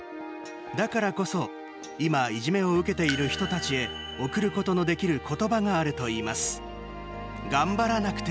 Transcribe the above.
だからこそ、今いじめを受けている人たちへ送ることのできる言葉があるといいます。